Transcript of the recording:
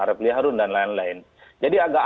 refli harun dan lain lain jadi agak